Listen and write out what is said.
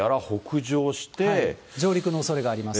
上陸のおそれがあります。